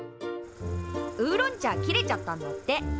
ウーロン茶切れちゃったんだって。